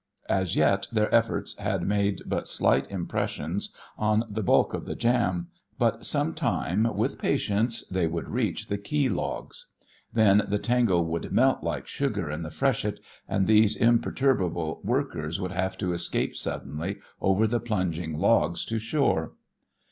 As yet their efforts had made but slight impression on the bulk of the jam, but some time, with patience, they would reach the key logs. Then the tangle would melt like sugar in the freshet, and these imperturbable workers would have to escape suddenly over the plunging logs to shore.